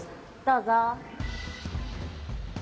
どうぞ。